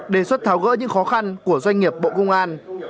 đề xuất tháo gỡ những khó khăn của doanh nghiệp bộ công an